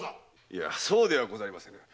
いやそうではございません。